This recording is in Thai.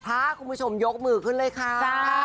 พาคุณผู้ชมยกมือขึ้นเลยค่ะ